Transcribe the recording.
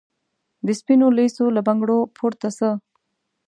د سپینو لېڅو له بنګړو پورته سه